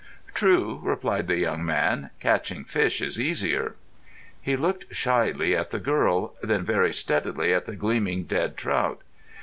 "True," replied the young man. "Catching fish is easier." He looked shyly at the girl, then very steadily at the gleaming dead trout.